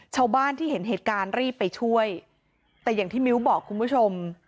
ชาวบ้านที่เห็นเหตุการณ์รีบไปช่วยแต่อย่างที่มิ้วบอกคุณผู้ชม